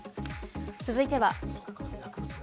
続いては。